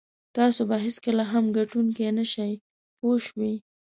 تاسو به هېڅکله هم ګټونکی نه شئ پوه شوې!.